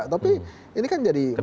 tapi ini kan jadi menarik juga